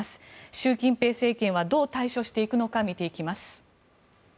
習近平政権はどう対処していくのか見ていきます。